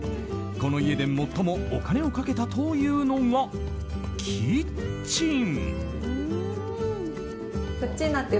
この家で最もお金をかけたというのがキッチン。